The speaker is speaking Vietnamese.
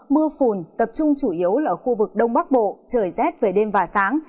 mưa phùn tập trung chủ yếu là ở khu vực đông bắc bộ trời rét về đêm và sáng